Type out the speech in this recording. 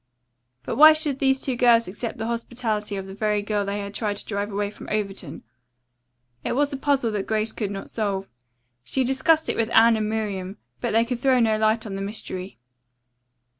But why should these two girls accept the hospitality of the very girl they had tried to drive away from Overton? It was a puzzle that Grace could not solve. She discussed it with Anne and Miriam but they could throw no light on the mystery.